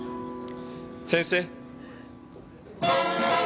先生！